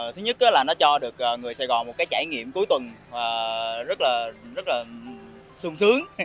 thứ nhất là nó cho được người sài gòn một cái trải nghiệm cuối tuần rất là sung sướng